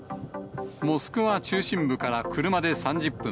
モスクワ中心部から車で３０分。